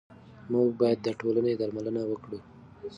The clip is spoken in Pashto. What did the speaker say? موږ باید د ټولنې درملنه وکړو.